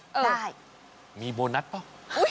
ได้มีโบนัสเปล่า